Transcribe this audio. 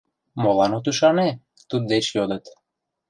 — Молан от ӱшане? — туддеч йодыт.